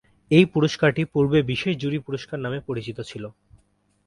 এই পুরস্কারটি পূর্বে বিশেষ জুরি পুরস্কার নামে পরিচিত ছিল।